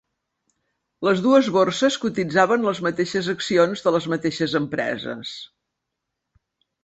Les dues borses cotitzaven les mateixes accions de les mateixes empreses.